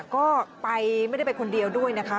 ก็ไปไม่ได้ไปคนเดียวด้วยนะคะ